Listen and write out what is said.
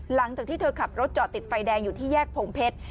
หลังจากที่เธอขับรถจอดติดไฟแดงอยู่ที่แยกพงเพชร